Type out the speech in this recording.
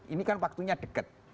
ini kan waktunya deket